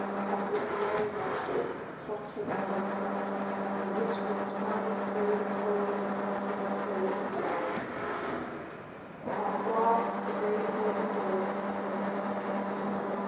At which Merry laughed gaily, and tossed her golden curls, in which were twined sprays of holly and clusters of brilliant scarlet berries. At last the great folding doors were thrown open.